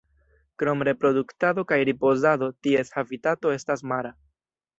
Krom reproduktado kaj ripozado, ties habitato estas mara.